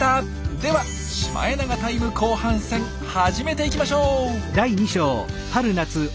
ではシマエナガタイム後半戦始めていきましょう！